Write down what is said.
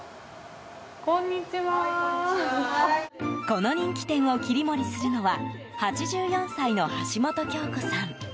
この人気店を切り盛りするのは８４歳の橋本京子さん。